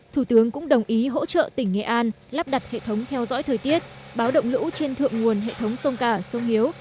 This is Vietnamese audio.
thủ tướng cũng đồng ý hỗ trợ tỉnh nghệ an lắp đặt hệ thống theo dõi thời tiết báo động lũ trên thượng nguồn hệ thống sông cả sông hiếu